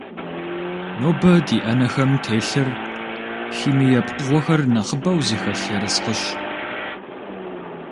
Нобэ ди Ӏэнэхэм телъыр химие пкъыгъуэхэр нэхъыбэу зыхэлъ ерыскъырщ.